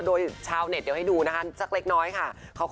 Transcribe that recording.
โดยชาวเน็ตเดี๋ยวให้ดูนะคะสักเล็กน้อยค่ะ